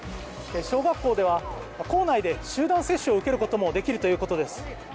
小学校では校内では集団接種を受けることもできるということです。